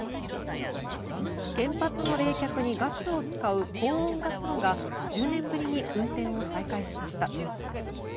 原発の冷却にガスを使う高温ガス炉が１０年ぶりに運転を再開しました。